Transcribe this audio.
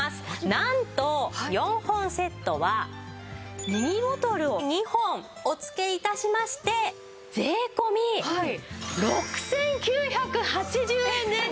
なんと４本セットはミニボトルを２本お付け致しまして税込６９８０円です。